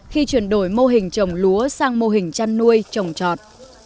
khi chuyển đổi mô hình trồng lúa sang mô hình chăn nuôi trồng trọt